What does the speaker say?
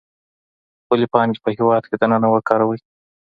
خپلې پانګې په هیواد کي دننه وکاروئ.